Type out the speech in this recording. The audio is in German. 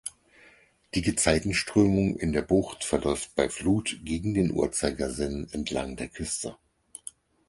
Die Gezeitenströmung in der Bucht verläuft bei Flut gegen den Uhrzeigersinn entlang der Küste.